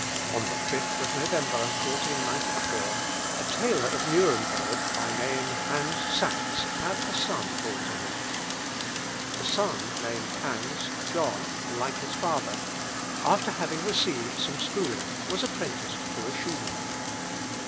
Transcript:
On the 5th November 1494, a tailor of Nuremberg, by name Hans Sachs, had a son born to him. The son, named Hans (John) like his father, after having received some schooling, was apprenticed to a shoemaker.